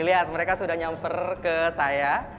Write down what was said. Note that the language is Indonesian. lihat mereka sudah nyamper ke saya